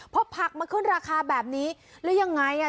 พอผักมาขึ้นราคาแบบนี้แล้วยังไงอ่ะ